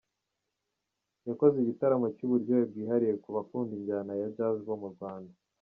Yakoze igitaramo cy’uburyohe bwihariye ku bakunda injyana ya Jazz bo mu Rwanda.